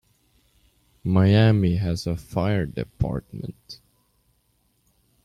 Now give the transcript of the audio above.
Miami has a fire department.